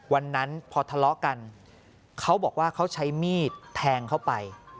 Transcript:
วันนั้นพอทะเลาะกันเขาบอกว่าเขาใช้มีดแทงเข้าไป